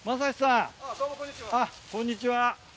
こんにちは。